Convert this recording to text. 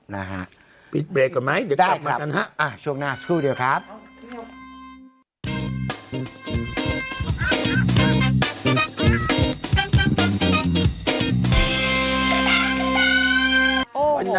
นะฮะปิดเบรกก่อนไหมเดี๋ยวกลับมากันฮะช่วงหน้าสักครู่เดียวครับ